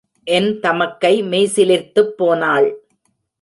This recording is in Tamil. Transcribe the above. என் தமக்கை மெய்சிலிர்த்துப் போனாள்.